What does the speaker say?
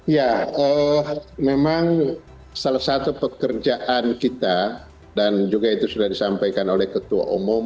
ya memang salah satu pekerjaan kita dan juga itu sudah disampaikan oleh ketua umum